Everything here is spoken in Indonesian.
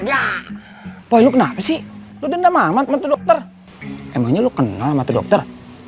woi lu kenapa sih lu dendam amat sama tuh dokter emangnya lu kenal sama tuh dokter